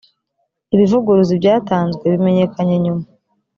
ibivuguruza ibyatanzwe bimenyekanye nyuma